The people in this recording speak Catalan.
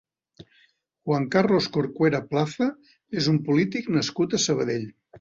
Juan Carlos Corcuera Plaza és un polític nascut a Sabadell.